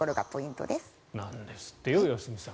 なんですってよ良純さん。